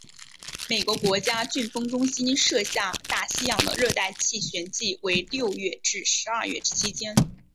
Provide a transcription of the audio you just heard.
美国国家飓风中心设下大西洋的热带气旋季为六月至十二月期间。